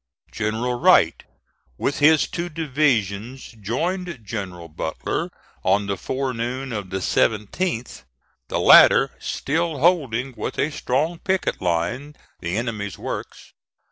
General Wright, with his two divisions, joined General Butler on the forenoon of the 17th, the latter still holding with a strong picket line the enemy's works.